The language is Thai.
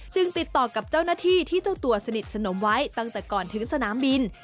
ติดต่อกับเจ้าหน้าที่ที่เจ้าตัวสนิทสนมไว้ตั้งแต่ก่อนถึงสนามบิน